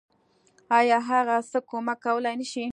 آيا هغه څه کمک کولی نشي.